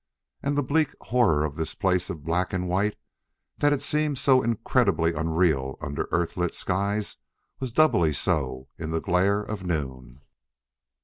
And the bleak horror of this place of black and white that had seemed so incredibly unreal under Earth lit skies was doubly so in the glare of noon.